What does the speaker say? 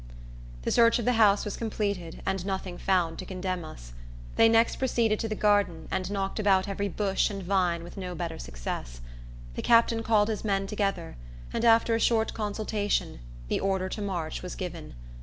The search of the house was completed, and nothing found to condemn us. They next proceeded to the garden, and knocked about every bush and vine, with no better success. The captain called his men together, and, after a short consultation, the order to march was given.